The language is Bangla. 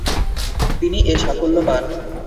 তিনি এ সাফল্য পান।